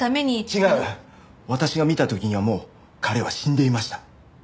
私が見た時にはもう彼は死んでいました。